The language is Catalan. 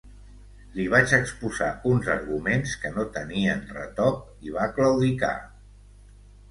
Li vaig exposar uns arguments que no tenien retop i va claudicar.